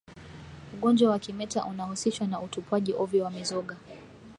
Ugonjwa wa kimeta unahusishwa na utupwaji ovyo wa mizoga